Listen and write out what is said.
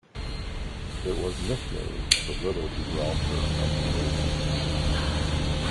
It was nicknamed the 'Little Gibraltar of the Mersey'.